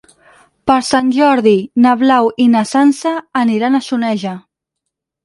Per Sant Jordi na Blau i na Sança aniran a Soneja.